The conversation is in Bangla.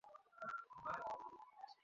তারপর তাতে মারাত্মক বিষ মেখে খাপে পুরে নিল।